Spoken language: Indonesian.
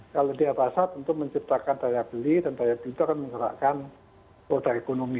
kalau dia basah tentu menciptakan daya beli dan daya beli itu akan menggerakkan roda ekonomi